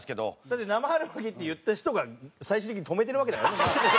だって生春巻きって言った人が最終的に止めてるわけだからね。